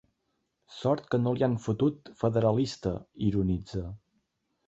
“Sort que no li han fotut ‘federalista’!”, ironitza.